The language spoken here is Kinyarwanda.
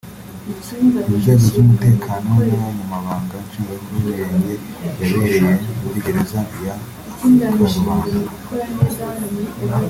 Inzego z’umutekano n’Abanyamabanga Nshingwabikorwa b’Imirenge yabereye muri Gereza ya Karubanda